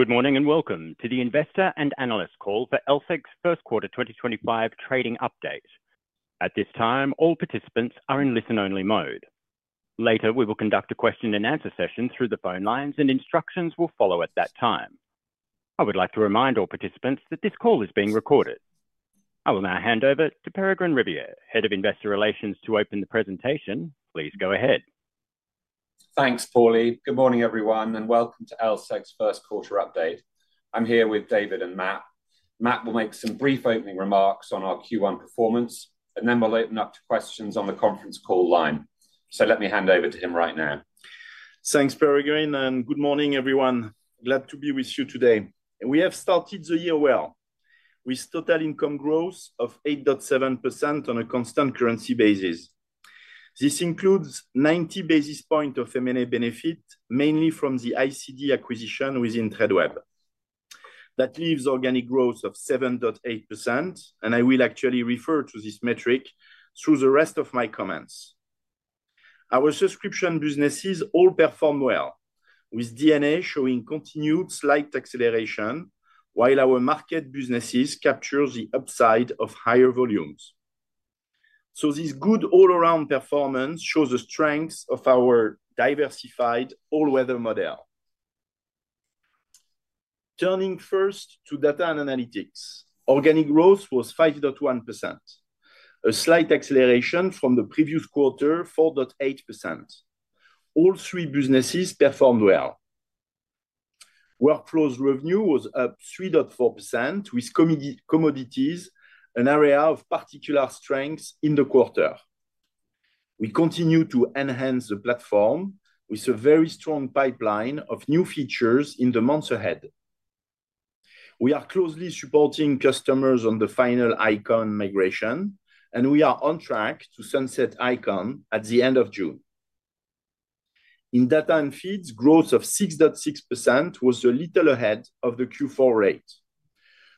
Good morning and welcome to the Investor and Analyst Call for LSEG First Quarter 2025 Trading Update. At this time, all participants are in listen-only mode. Later, we will conduct a question-and-answer session through the phone lines, and instructions will follow at that time. I would like to remind all participants that this call is being recorded. I will now hand over to Peregrine Riviere, Head of Investor Relations, to open the presentation. Please go ahead. Thanks, Polly. Good morning, everyone, and welcome to LSEG First Quarter Update. I'm here with David and Matt. Matt will make some brief opening remarks on our Q1 performance, and then we'll open up to questions on the conference call line. Let me hand over to him right now. Thanks, Peregrine, and good morning, everyone. Glad to be with you today. We have started the year well with total income growth of 8.7% on a constant currency basis. This includes 90 basis points of M&A benefit, mainly from the ICD acquisition within Tradeweb. That leaves organic growth of 7.8%, and I will actually refer to this metric through the rest of my comments. Our subscription businesses all performed well, with D&A showing continued slight acceleration, while our market businesses capture the upside of higher volumes. This good all-around performance shows the strengths of our diversified all-weather model. Turning first to Data & Analytics, organic growth was 5.1%, a slight acceleration from the previous quarter, 4.8%. All three businesses performed well. Workflows revenue was up 3.4%, with commodities an area of particular strength in the quarter. We continue to enhance the platform with a very strong pipeline of new features in the months ahead. We are closely supporting customers on the final Eikon migration, and we are on track to sunset Eikon at the end of June. In Data and Feeds, growth of 6.6% was a little ahead of the Q4 rate,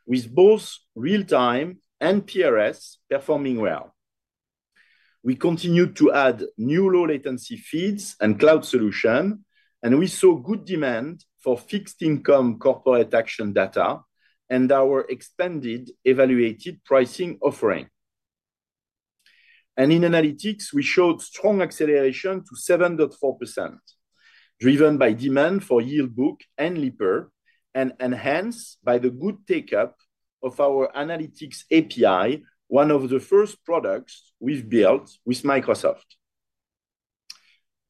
with both real-time and PRS performing well. We continued to add new low-latency feeds and cloud solutions, and we saw good demand for fixed income corporate action data and our expanded evaluated pricing offering. In Analytics, we showed strong acceleration to 7.4%, driven by demand for Yield Book and Lipper, and enhanced by the good take-up of our Analytics API, one of the first products we've built with Microsoft.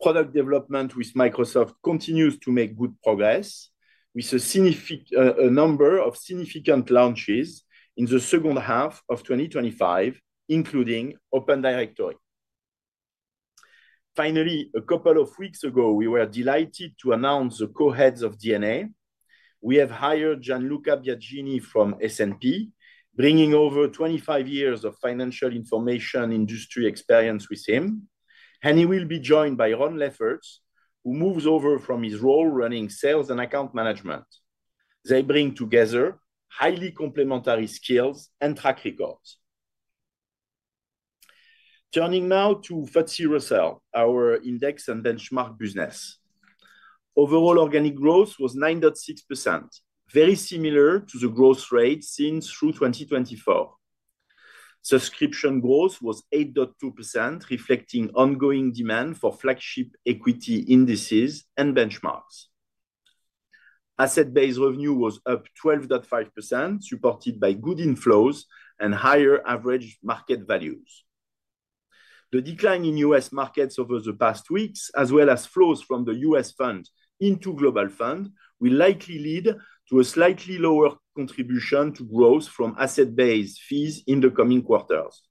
Product development with Microsoft continues to make good progress, with a number of significant launches in the second half of 2025, including Open Directory. Finally, a couple of weeks ago, we were delighted to announce the co-heads of D&A. We have hired Gianluca Biagini from S&P Global, bringing over 25 years of financial information industry experience with him, and he will be joined by Ron Lefferts, who moves over from his role running sales and account management. They bring together highly complementary skills and track records. Turning now to FTSE Russell, our index and benchmark business. Overall organic growth was 9.6%, very similar to the growth rate seen through 2024. Subscription growth was 8.2%, reflecting ongoing demand for flagship equity indices and benchmarks. Asset-based revenue was up 12.5%, supported by good inflows and higher average market values. The decline in U.S. markets over the past weeks, as well as flows from the U.S. fund into global fund, will likely lead to a slightly lower contribution to growth from asset-based fees in the coming quarters.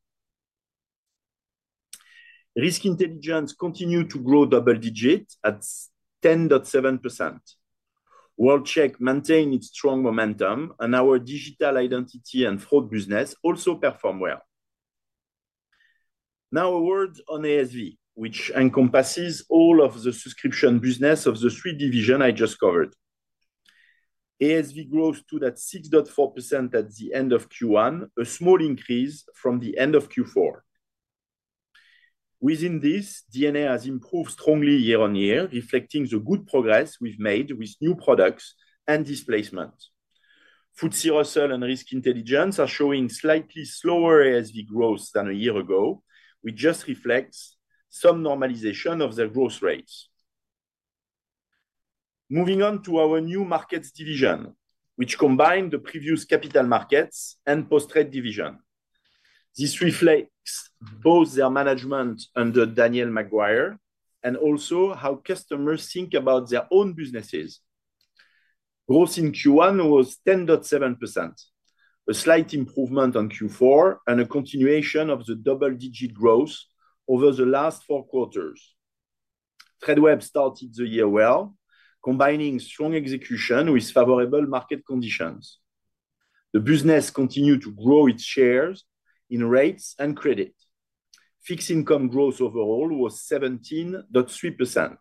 Risk intelligence continued to grow double-digit at 10.7%. World-Check maintained its strong momentum, and our digital identity and fraud business also performed well. Now a word on ASV, which encompasses all of the subscription business of the three divisions I just covered. ASV grows to that 6.4% at the end of Q1, a small increase from the end of Q4. Within this, D&A has improved strongly year on year, reflecting the good progress we've made with new products and displacement. FTSE Russell and risk intelligence are showing slightly slower ASV growth than a year ago, which just reflects some normalization of the growth rates. Moving on to our New Markets division, which combines the previous Capital Markets and Post Trade division. This reflects both their management under Daniel Maguire and also how customers think about their own businesses. Growth in Q1 was 10.7%, a slight improvement on Q4, and a continuation of the double-digit growth over the last four quarters. Tradeweb started the year well, combining strong execution with favorable market conditions. The business continued to grow its shares in rates and credit. Fixed income growth overall was 17.3%.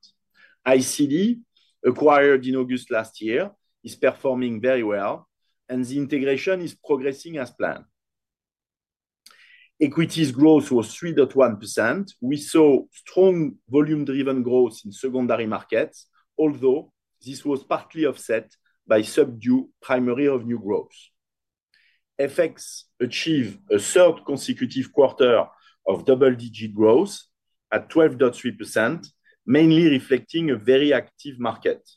ICD, acquired in August last year, is performing very well, and the integration is progressing as planned. Equities growth was 3.1%. We saw strong volume-driven growth in secondary markets, although this was partly offset by subdued primary revenue growth. FX achieved a third consecutive quarter of double-digit growth at 12.3%, mainly reflecting a very active market.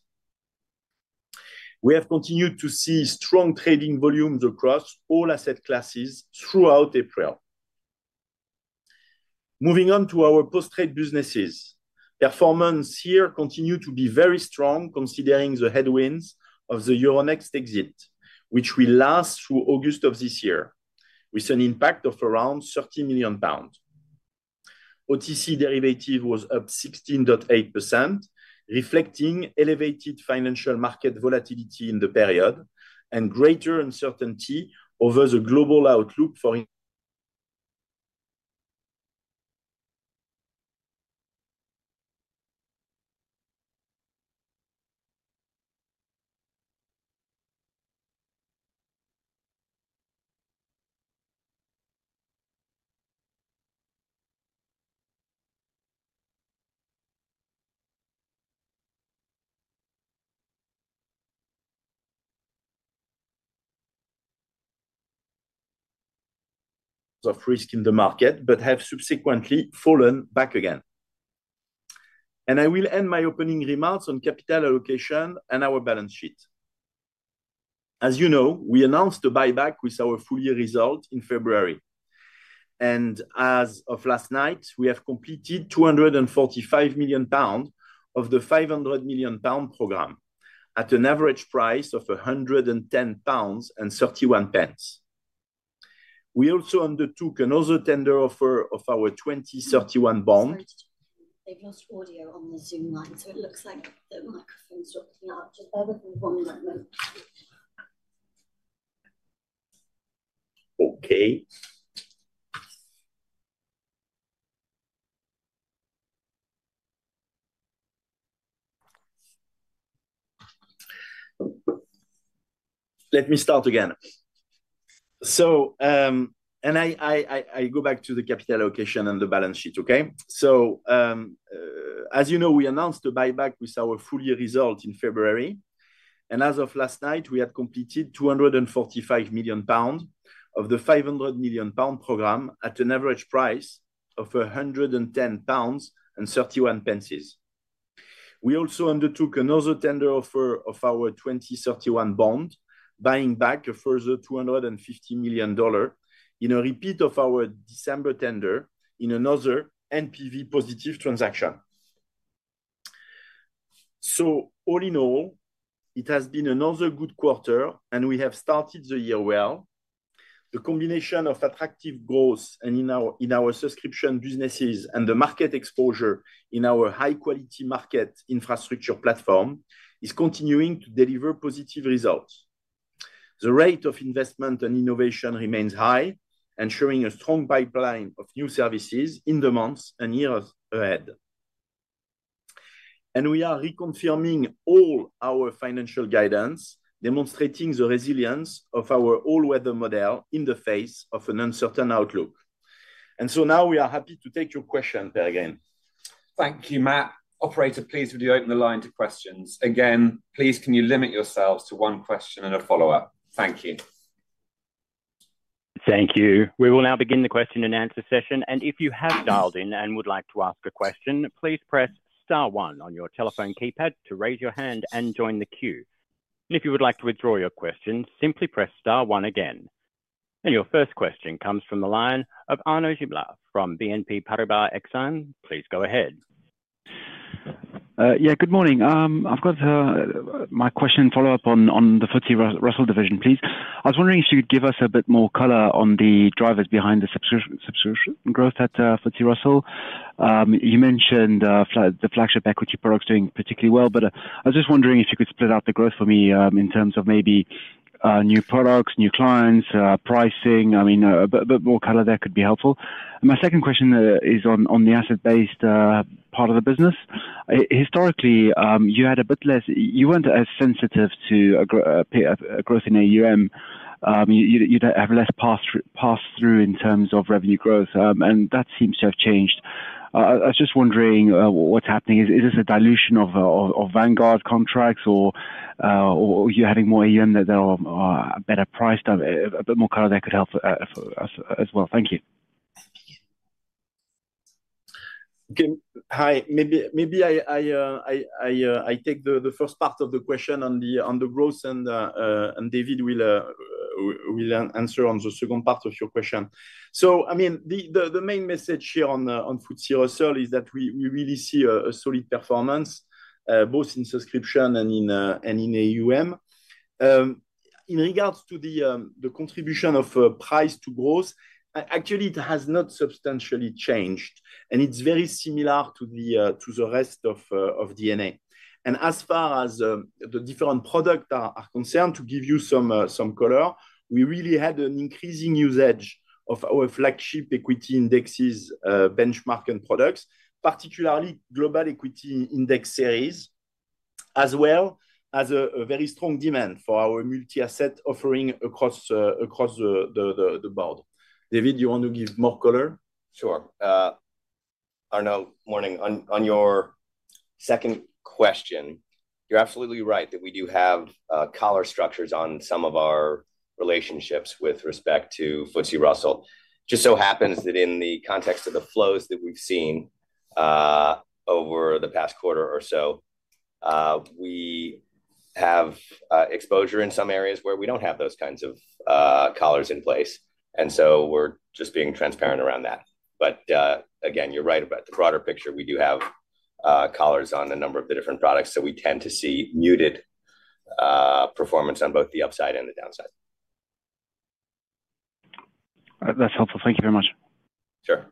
We have continued to see strong trading volumes across all asset classes throughout April. Moving on to our post-trade businesses, performance here continued to be very strong considering the headwinds of the Euronext exit, which will last through August of this year, with an impact of around 30 million pounds. OTC derivative was up 16.8%, reflecting elevated financial market volatility in the period and greater uncertainty over the global outlook for of risk in the market, but have subsequently fallen back again. I will end my opening remarks on capital allocation and our balance sheet. As you know, we announced a buyback with our full year result in February. As of last night, we have completed 245 million pounds of the 500 million pound program at an average price of 110.31 pounds. We also undertook another tender offer of our 2031 bond. They've lost audio on the Zoom line, so it looks like the microphone's dropping out. Just bear with me one moment. Okay. Let me start again. I go back to the capital allocation and the balance sheet, okay? As you know, we announced a buyback with our full year result in February. As of last night, we had completed 245 million pounds of the 500 million pound program at an average price of 110.31 pounds. We also undertook another tender offer of our 2031 bond, buying back a further $250 million in a repeat of our December tender in another NPV-positive transaction. All in all, it has been another good quarter, and we have started the year well. The combination of attractive growth in our subscription businesses and the market exposure in our high-quality market infrastructure platform is continuing to deliver positive results. The rate of investment and innovation remains high, ensuring a strong pipeline of new services in the months and years ahead. We are reconfirming all our financial guidance, demonstrating the resilience of our all-weather model in the face of an uncertain outlook. Now we are happy to take your question, Peregrine. Thank you, Matt. Operator, please would you open the line to questions? Again, please can you limit yourselves to one question and a follow-up? Thank you. Thank you. We will now begin the question and answer session. If you have dialed in and would like to ask a question, please press star one on your telephone keypad to raise your hand and join the queue. If you would like to withdraw your question, simply press star one again. Your first question comes from the line of Arnaud Giblat from BNP Paribas Exane. Please go ahead. Yeah, good morning. I've got my question follow-up on the FTSE Russell division, please. I was wondering if you could give us a bit more color on the drivers behind the subscription growth at FTSE Russell. You mentioned the flagship equity products doing particularly well, but I was just wondering if you could split out the growth for me in terms of maybe new products, new clients, pricing. I mean, a bit more color there could be helpful. My second question is on the asset-based part of the business. Historically, you had a bit less, you weren't as sensitive to growth in AUM. You have less pass-through in terms of revenue growth, and that seems to have changed. I was just wondering what's happening. Is this a dilution of Vanguard contracts, or are you having more AUM that are better priced? A bit more color there could help as well. Thank you. Hi. Maybe I take the first part of the question on the growth, and David will answer on the second part of your question. I mean, the main message here on FTSE Russell is that we really see a solid performance, both in subscription and in AUM. In regards to the contribution of price to growth, actually, it has not substantially changed, and it's very similar to the rest of D&A. As far as the different products are concerned, to give you some color, we really had an increasing usage of our flagship equity indexes benchmark and products, particularly Global Equity Index Series, as well as a very strong demand for our multi-asset offering across the board. David, do you want to give more color? Sure. Arno, morning. On your second question, you're absolutely right that we do have collar structures on some of our relationships with respect to FTSE Russell. It just so happens that in the context of the flows that we've seen over the past quarter or so, we have exposure in some areas where we don't have those kinds of collars in place. We are just being transparent around that. Again, you're right about the broader picture. We do have collars on a number of the different products, so we tend to see muted performance on both the upside and the downside. That's helpful. Thank you very much. Sure.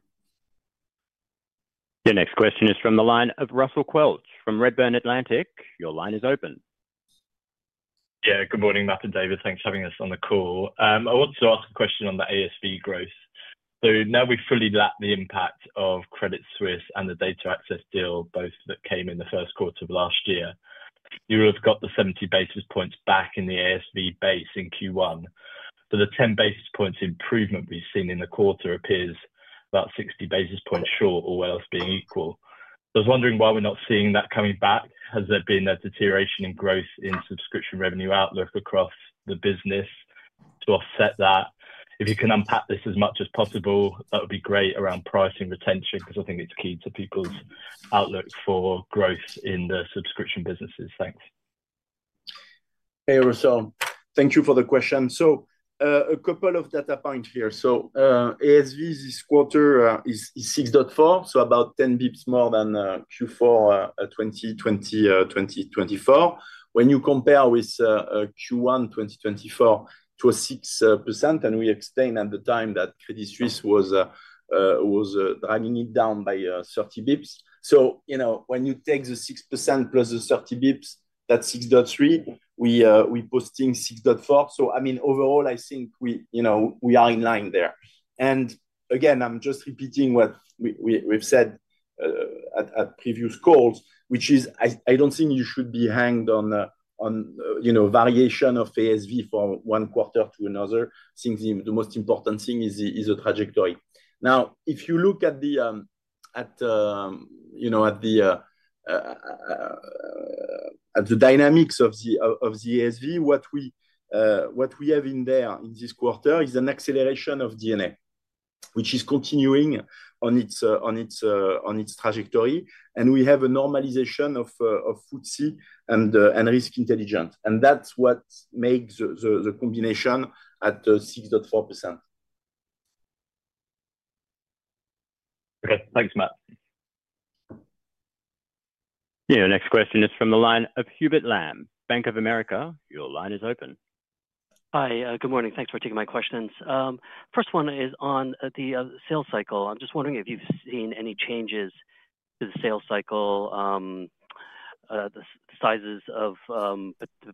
The next question is from the line of Russell Quelch from Redburn Atlantic. Your line is open. Yeah, good morning, Matt and David. Thanks for having us on the call. I wanted to ask a question on the ASV growth. Now we've fully lapped the impact of Credit Suisse and the data access deal, both that came in the first quarter of last year. You will have got the 70 basis points back in the ASV base in Q1. The 10 basis points improvement we've seen in the quarter appears about 60 basis points short, all else being equal. I was wondering why we're not seeing that coming back. Has there been a deterioration in growth in subscription revenue outlook across the business to offset that? If you can unpack this as much as possible, that would be great around pricing retention because I think it's key to people's outlook for growth in the subscription businesses. Thanks. Hey, Russell. Thank you for the question. A couple of data points here. ASV this quarter is 6.4, so about 10 basis points more than Q4 2024. When you compare with Q1 2024 to a 6%, and we explained at the time that Credit Suisse was dragging it down by 30 basis points. When you take the 6% plus the 30 basis points, that is 6.3. We are posting 6.4. I mean, overall, I think we are in line there. Again, I am just repeating what we have said at previous calls, which is I do not think you should be hanged on variation of ASV from one quarter to another. I think the most important thing is the trajectory. Now, if you look at the dynamics of the ASV, what we have in there in this quarter is an acceleration of D&A, which is continuing on its trajectory. We have a normalization of FTSE and Risk Intelligence. That's what makes the combination at 6.4%. Okay. Thanks, Matt. Yeah, next question is from the line of Hubert Lam, Bank of America. Your line is open. Hi, good morning. Thanks for taking my questions. First one is on the sales cycle. I'm just wondering if you've seen any changes to the sales cycle, the sizes of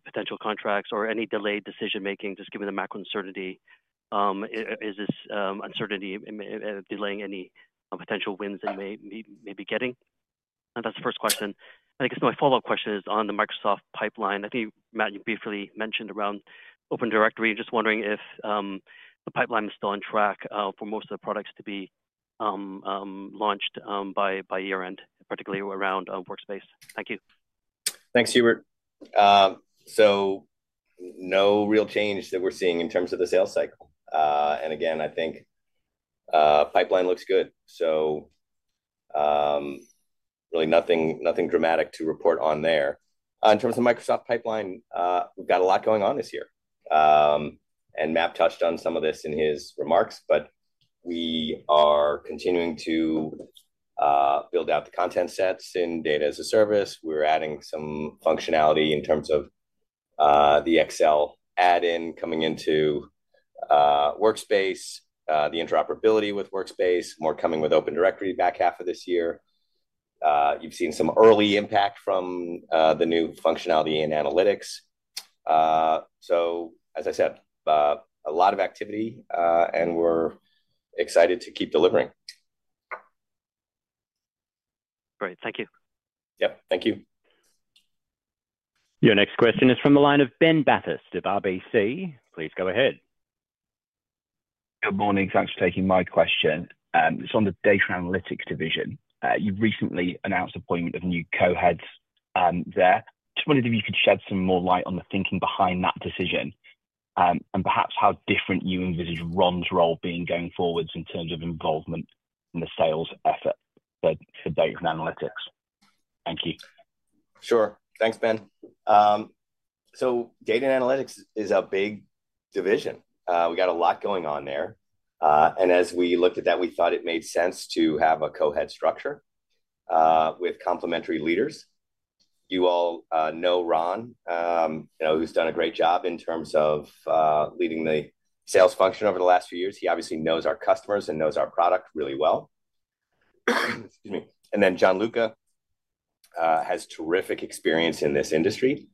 potential contracts, or any delayed decision-making, just given the macro uncertainty. Is this uncertainty delaying any potential wins that you may be getting? That's the first question. I guess my follow-up question is on the Microsoft pipeline. I think, Matt, you briefly mentioned around Open Directory. I'm just wondering if the pipeline is still on track for most of the products to be launched by year-end, particularly around Workspace. Thank you. Thanks, Hubert. No real change that we're seeing in terms of the sales cycle. I think pipeline looks good. Really nothing dramatic to report on there. In terms of Microsoft pipeline, we've got a lot going on this year. Matt touched on some of this in his remarks, but we are continuing to build out the content sets in data as a service. We're adding some functionality in terms of the Excel add-in coming into Workspace, the interoperability with Workspace, more coming with Open Directory back half of this year. You've seen some early impact from the new functionality in analytics. As I said, a lot of activity, and we're excited to keep delivering. Great. Thank you. Yep. Thank you. Your next question is from the line of Ben Bathurst of RBC. Please go ahead. Good morning. Thanks for taking my question. It's on the Data & Analytics division. You've recently announced the appointment of new co-heads there. Just wondered if you could shed some more light on the thinking behind that decision and perhaps how different you envisage Ron's role being going forwards in terms of involvement in the sales effort for Data & Analytics. Thank you. Sure. Thanks, Ben. Data and analytics is a big division. We got a lot going on there. As we looked at that, we thought it made sense to have a co-head structure with complementary leaders. You all know Ron, who's done a great job in terms of leading the sales function over the last few years. He obviously knows our customers and knows our product really well. Excuse me. Gianluca has terrific experience in this industry,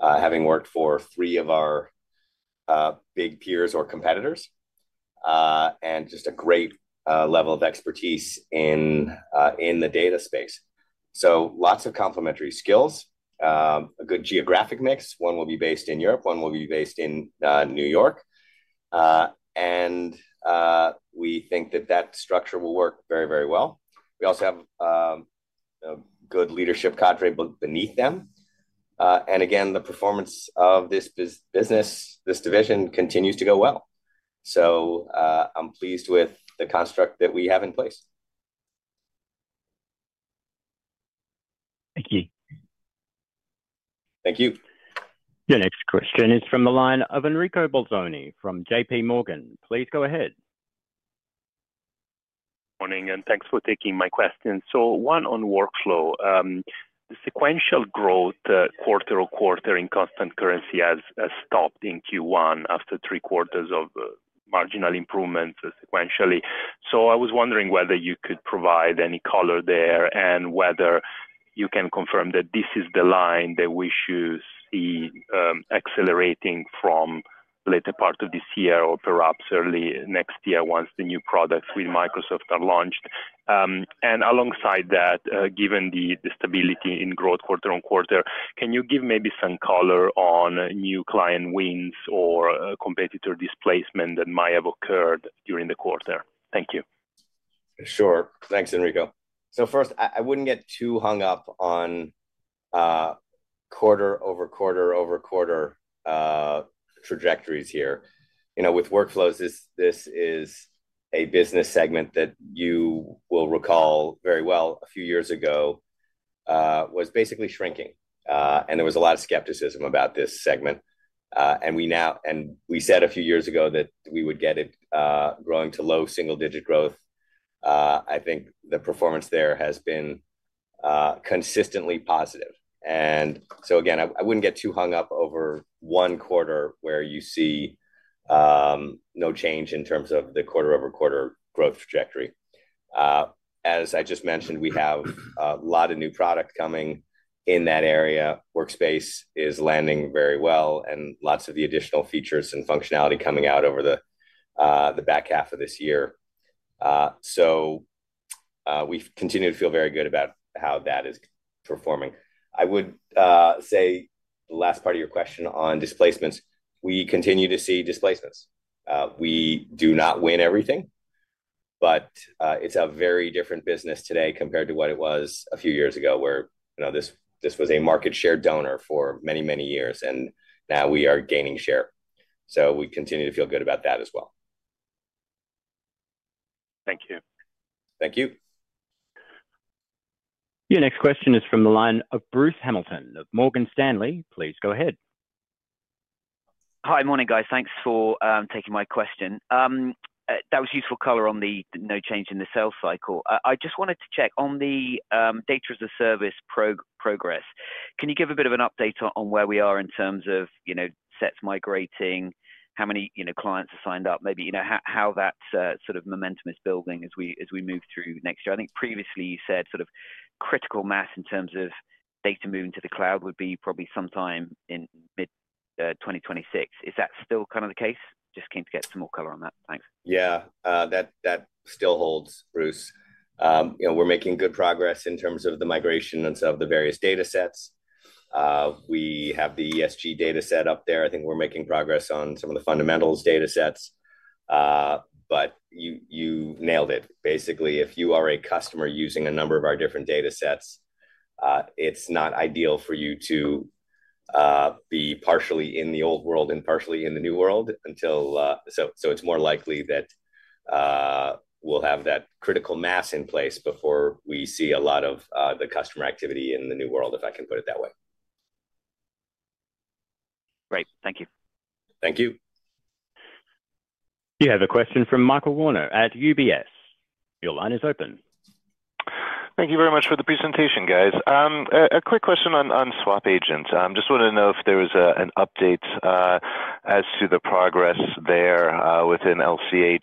having worked for three of our big peers or competitors, and just a great level of expertise in the data space. Lots of complementary skills, a good geographic mix. One will be based in Europe. One will be based in New York. We think that that structure will work very, very well. We also have a good leadership cadre beneath them. The performance of this business, this division, continues to go well. I'm pleased with the construct that we have in place. Thank you. Thank you. Your next question is from the line of Enrico Bolzoni from JPMorgan. Please go ahead. Morning, and thanks for taking my question. One on workflow. The sequential growth quarter on quarter in constant currency has stopped in Q1 after three quarters of marginal improvements sequentially. I was wondering whether you could provide any color there and whether you can confirm that this is the line that we should see accelerating from later part of this year or perhaps early next year once the new products with Microsoft are launched. Alongside that, given the stability in growth quarter on quarter, can you give maybe some color on new client wins or competitor displacement that might have occurred during the quarter? Thank you. Sure. Thanks, Enrico. First, I would not get too hung up on quarter-over-quarter trajectories here. With workflows, this is a business segment that you will recall very well a few years ago was basically shrinking. There was a lot of skepticism about this segment. We said a few years ago that we would get it growing to low single-digit growth. I think the performance there has been consistently positive. Again, I would not get too hung up over one quarter where you see no change in terms of the quarter-over-quarter growth trajectory. As I just mentioned, we have a lot of new product coming in that area. Workspace is landing very well and lots of the additional features and functionality coming out over the back half of this year. We continue to feel very good about how that is performing. I would say the last part of your question on displacements, we continue to see displacements. We do not win everything, but it is a very different business today compared to what it was a few years ago where this was a market share donor for many, many years, and now we are gaining share. We continue to feel good about that as well. Thank you. Thank you. Your next question is from the line of Bruce Hamilton of Morgan Stanley. Please go ahead. Hi, morning, guys. Thanks for taking my question. That was useful color on the no change in the sales cycle. I just wanted to check on the Data as a Service progress. Can you give a bit of an update on where we are in terms of sets migrating, how many clients are signed up, maybe how that sort of momentum is building as we move through next year? I think previously you said sort of critical mass in terms of data moving to the cloud would be probably sometime in mid-2026. Is that still kind of the case? Just keen to get some more color on that. Thanks. Yeah. That still holds, Bruce. We're making good progress in terms of the migration and some of the various data sets. We have the ESG data set up there. I think we're making progress on some of the fundamentals data sets. You nailed it. Basically, if you are a customer using a number of our different data sets, it's not ideal for you to be partially in the old world and partially in the new world until, so it's more likely that we'll have that critical mass in place before we see a lot of the customer activity in the new world, if I can put it that way. Great. Thank you. Thank you. You have a question from Michael Werner at UBS. Your line is open. Thank you very much for the presentation, guys. A quick question on SwapAgent. I just wanted to know if there was an update as to the progress there within LCH.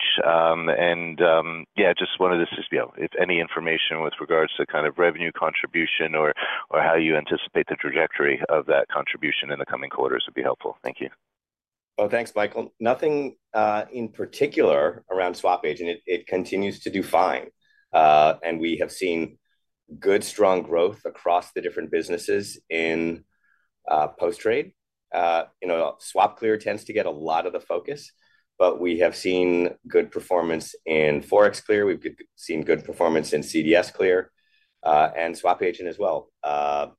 Yeah, just wanted to see if any information with regards to kind of revenue contribution or how you anticipate the trajectory of that contribution in the coming quarters would be helpful. Thank you. Oh, thanks, Michael. Nothing in particular around SwapAgent. It continues to do fine. We have seen good, strong growth across the different businesses in Post Trade. SwapClear tends to get a lot of the focus, but we have seen good performance in ForexClear. We've seen good performance in CDSClear and SwapAgent as well.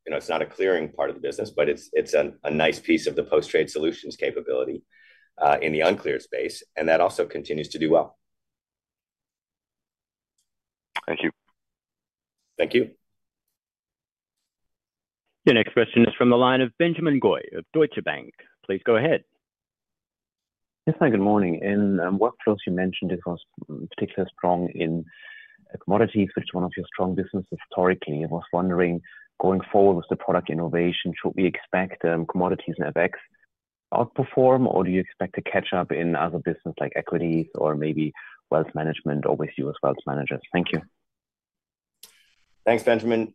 It's not a clearing part of the business, but it's a nice piece of the Post Trade Solutions capability in the uncleared space. That also continues to do well. Thank you. Thank you. Your next question is from the line of Benjamin Goy of Deutsche Bank. Please go ahead. Yes, hi, good morning. In workflows, you mentioned it was particularly strong in commodities, which is one of your strong businesses historically. I was wondering, going forward with the product innovation, should we expect commodities and FX outperform, or do you expect to catch up in other businesses like equities or maybe wealth management, or with you as wealth managers? Thank you. Thanks, Benjamin.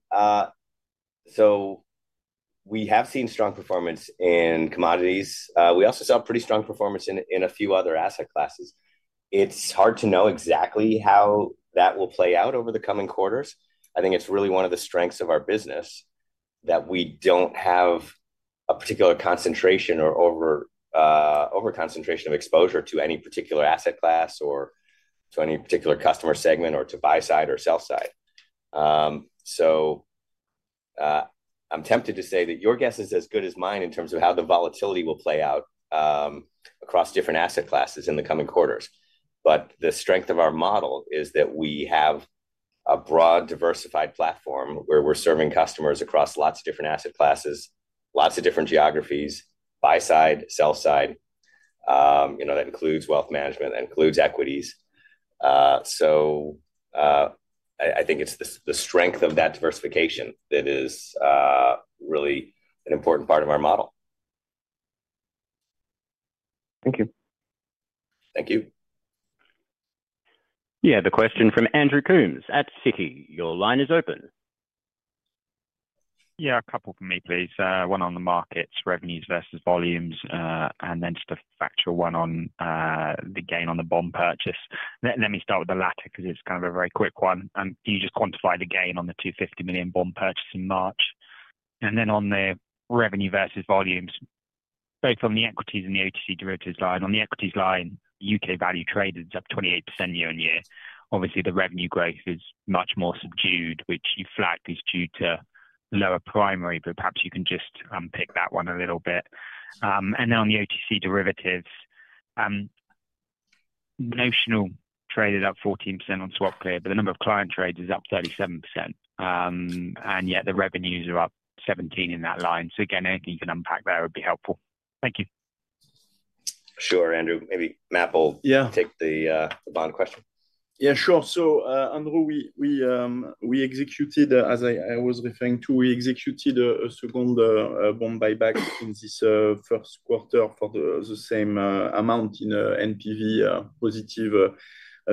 We have seen strong performance in commodities. We also saw pretty strong performance in a few other asset classes. It's hard to know exactly how that will play out over the coming quarters. I think it's really one of the strengths of our business that we don't have a particular concentration or over-concentration of exposure to any particular asset class or to any particular customer segment or to buy-side or sell-side. I'm tempted to say that your guess is as good as mine in terms of how the volatility will play out across different asset classes in the coming quarters. The strength of our model is that we have a broad, diversified platform where we're serving customers across lots of different asset classes, lots of different geographies, buy-side, sell-side. That includes wealth management. That includes equities. I think it's the strength of that diversification that is really an important part of our model. Thank you. Thank you. Yeah, the question from Andrew Coombs at Citi. Your line is open. Yeah, a couple for me, please. One on the markets, revenues versus volumes, and then just a factual one on the gain on the bond purchase. Let me start with the latter because it's kind of a very quick one. Can you just quantify the gain on the 250 million bond purchase in March? On the revenue versus volumes, both on the equities and the OTC derivatives line. On the equities line, U.K. value traded is up 28% year on year. Obviously, the revenue growth is much more subdued, which you flagged is due to lower primary, but perhaps you can just pick that one a little bit. On the OTC derivatives, notional traded up 14% on SwapClear, but the number of client trades is up 37%. Yet the revenues are up 17% in that line. Again, anything you can unpack there would be helpful. Thank you. Sure, Andrew. Maybe Matt will take the bond question. Yeah, sure. So Andrew, we executed, as I was referring to, we executed a second bond buyback in this first quarter for the same amount in NPV positive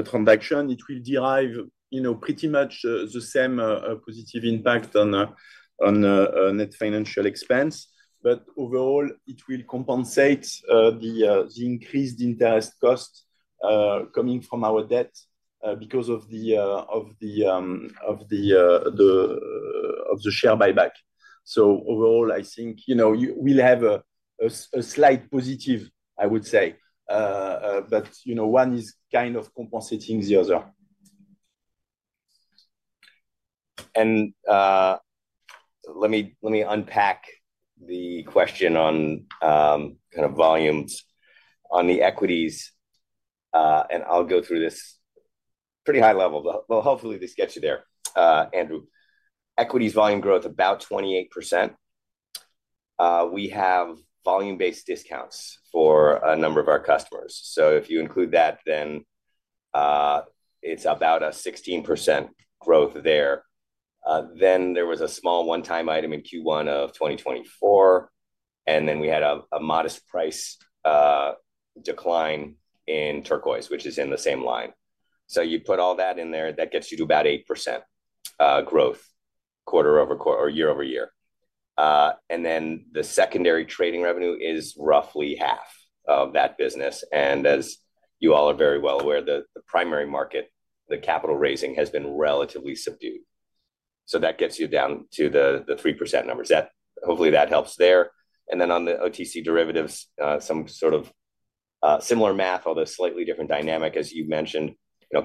transaction. It will derive pretty much the same positive impact on net financial expense. Overall, it will compensate the increased interest cost coming from our debt because of the share buyback. Overall, I think we'll have a slight positive, I would say. One is kind of compensating the other. Let me unpack the question on kind of volumes on the equities. I'll go through this pretty high level, but hopefully this gets you there. Andrew, equities volume growth about 28%. We have volume-based discounts for a number of our customers. If you include that, then it's about a 16% growth there. There was a small one-time item in Q1 of 2024. We had a modest price decline in Turquoise, which is in the same line. You put all that in there, that gets you to about 8% growth quarter-over-quarter or year-over-year. The secondary trading revenue is roughly half of that business. As you all are very well aware, the primary market, the capital raising has been relatively subdued. That gets you down to the 3% numbers. Hopefully, that helps there. On the OTC derivatives, some sort of similar math, although slightly different dynamic, as you mentioned.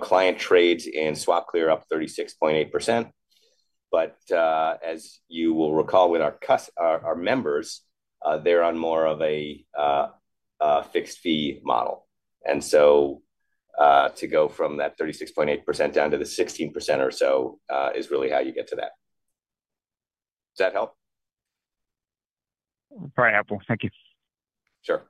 Client trades in SwapClear up 36.8%. As you will recall with our members, they are on more of a fixed fee model. To go from that 36.8% down to the 16% or so is really how you get to that. Does that help? Very helpful. Thank you. Sure.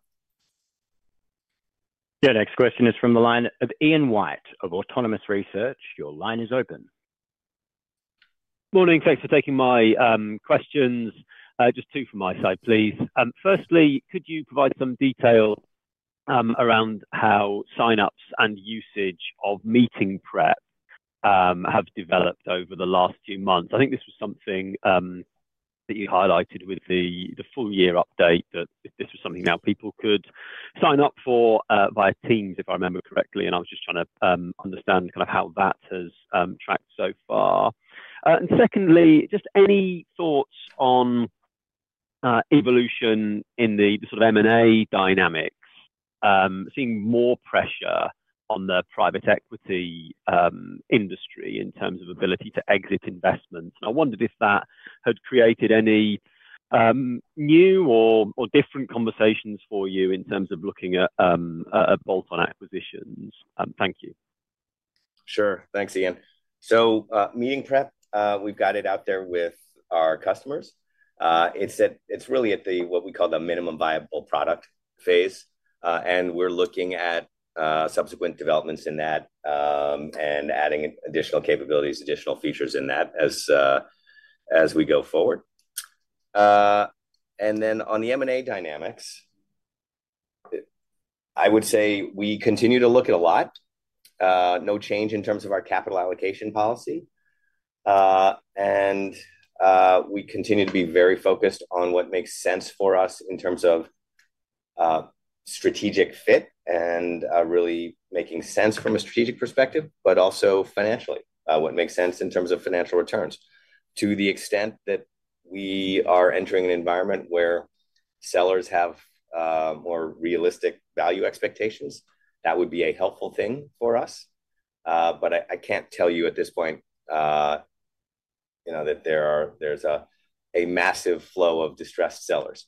Your next question is from the line of Ian White of Autonomous Research. Your line is open. Morning. Thanks for taking my questions. Just two from my side, please. Firstly, could you provide some detail around how sign-ups and usage of Meeting Prep have developed over the last few months? I think this was something that you highlighted with the full-year update, that this was something now people could sign up for via Teams, if I remember correctly. I was just trying to understand kind of how that has tracked so far. Secondly, any thoughts on evolution in the sort of M&A dynamics, seeing more pressure on the private equity industry in terms of ability to exit investments. I wondered if that had created any new or different conversations for you in terms of looking at bolt-on acquisitions. Thank you. Sure. Thanks, Ian. Meeting Prep, we have got it out there with our customers. It is really at what we call the minimum viable product phase. We are looking at subsequent developments in that and adding additional capabilities, additional features in that as we go forward. On the M&A dynamics, I would say we continue to look at a lot. No change in terms of our capital allocation policy. We continue to be very focused on what makes sense for us in terms of strategic fit and really making sense from a strategic perspective, but also financially, what makes sense in terms of financial returns. To the extent that we are entering an environment where sellers have more realistic value expectations, that would be a helpful thing for us. I cannot tell you at this point that there is a massive flow of distressed sellers.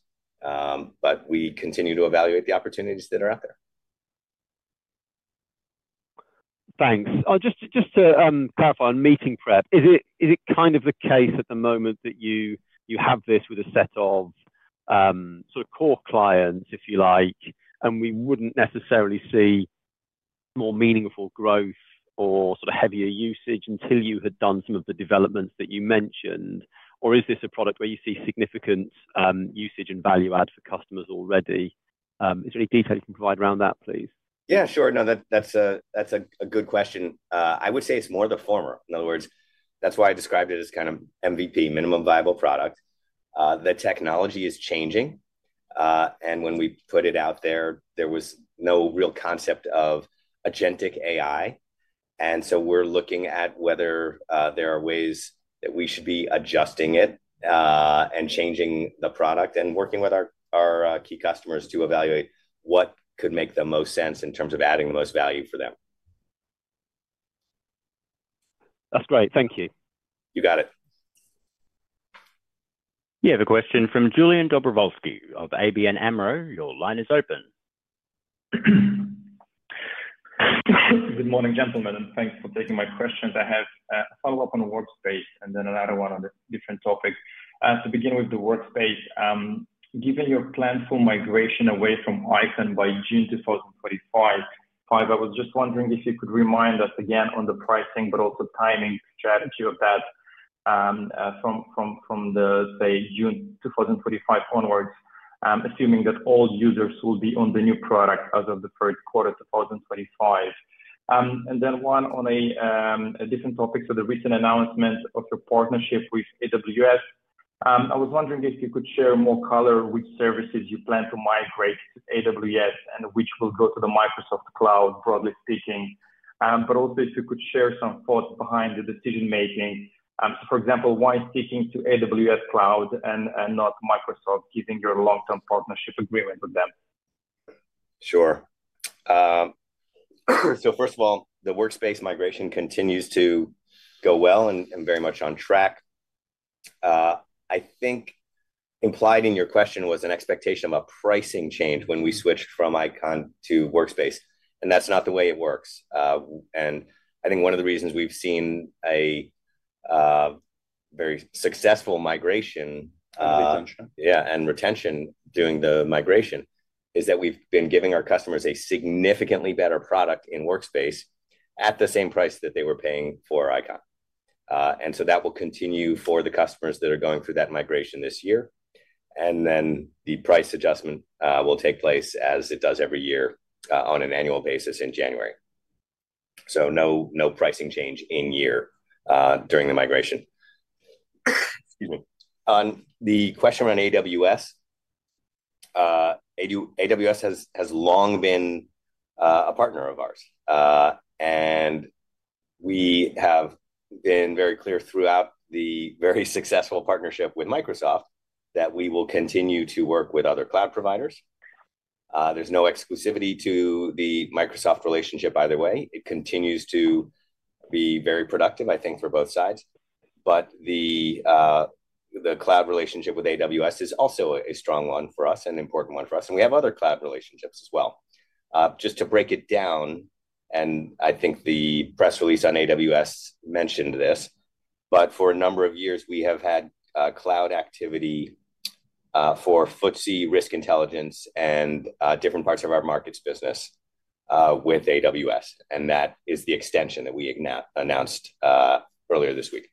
We continue to evaluate the opportunities that are out there. Thanks. Just to clarify on Meeting Prep, is it kind of the case at the moment that you have this with a set of sort of core clients, if you like, and we would not necessarily see more meaningful growth or sort of heavier usage until you had done some of the developments that you mentioned? Or is this a product where you see significant usage and value add for customers already? Is there any detail you can provide around that, please? Yeah, sure. No, that's a good question. I would say it's more the former. In other words, that's why I described it as kind of MVP, minimum viable product. The technology is changing. When we put it out there, there was no real concept of agentic AI. We are looking at whether there are ways that we should be adjusting it and changing the product and working with our key customers to evaluate what could make the most sense in terms of adding the most value for them. That's great. Thank you. You got it. You have a question from Iulian Dobrovolschi of ABN Amro. Your line is open. Good morning, gentlemen. Thanks for taking my questions. I have a follow-up on the Workspace and then another one on a different topic. To begin with the Workspace, given your plan for migration away from Eikon by June 2025, I was just wondering if you could remind us again on the pricing, but also timing strategy of that from the, say, June 2025 onwards, assuming that all users will be on the new product as of the third quarter of 2025. One on a different topic to the recent announcement of your partnership with AWS. I was wondering if you could share more color which services you plan to migrate to AWS and which will go to the Microsoft Cloud, broadly speaking, but also if you could share some thoughts behind the decision-making. For example, why sticking to AWS Cloud and not Microsoft given your long-term partnership agreement with them? Sure. First of all, the Workspace migration continues to go well and very much on track. I think implied in your question was an expectation of a pricing change when we switched from Eikon to Workspace. That is not the way it works. I think one of the reasons we have seen a very successful migration. Retention. Yeah, and retention during the migration is that we've been giving our customers a significantly better product in Workspace at the same price that they were paying for Eikon. That will continue for the customers that are going through that migration this year. The price adjustment will take place as it does every year on an annual basis in January. No pricing change in year during the migration. On the question around AWS, AWS has long been a partner of ours. We have been very clear throughout the very successful partnership with Microsoft that we will continue to work with other cloud providers. There's no exclusivity to the Microsoft relationship either way. It continues to be very productive, I think, for both sides. The cloud relationship with AWS is also a strong one for us and an important one for us. We have other cloud relationships as well. Just to break it down, and I think the press release on AWS mentioned this, but for a number of years, we have had cloud activity for FTSE Risk Intelligence and different parts of our markets business with AWS. That is the extension that we announced earlier this week.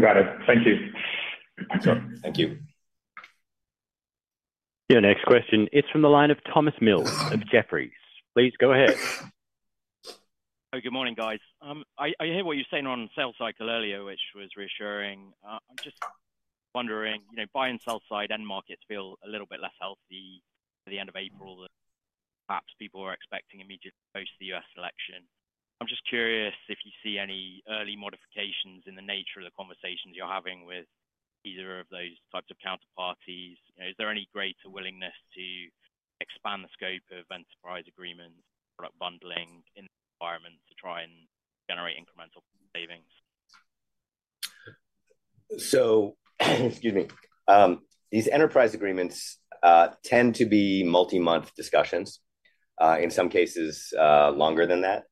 Got it. Thank you. Thank you. Your next question. It's from the line of Thomas Mills of Jefferies. Please go ahead. Hey, good morning, guys. I hear what you're saying on sales cycle earlier, which was reassuring. I'm just wondering, buy and sell-side and markets feel a little bit less healthy at the end of April than perhaps people were expecting immediately post the U.S. election. I'm just curious if you see any early modifications in the nature of the conversations you're having with either of those types of counterparties. Is there any greater willingness to expand the scope of enterprise agreements, product bundling in the environment to try and generate incremental savings? Excuse me. These enterprise agreements tend to be multi-month discussions, in some cases longer than that.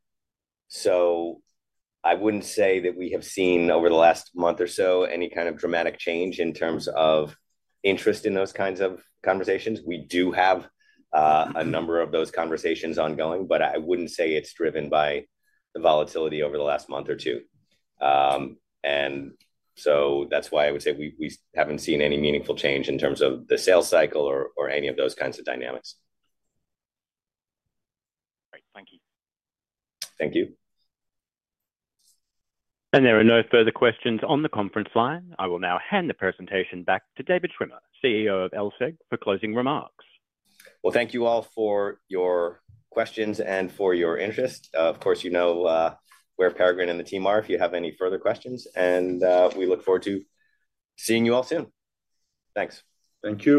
I would not say that we have seen over the last month or so any kind of dramatic change in terms of interest in those kinds of conversations. We do have a number of those conversations ongoing, but I would not say it is driven by the volatility over the last month or two. That is why I would say we have not seen any meaningful change in terms of the sales cycle or any of those kinds of dynamics. Great. Thank you. Thank you. There are no further questions on the conference line. I will now hand the presentation back to David Schwimmer, CEO of LSEG, for closing remarks. Thank you all for your questions and for your interest. Of course, you know where Peregrine and the team are if you have any further questions. We look forward to seeing you all soon. Thanks. Thank you.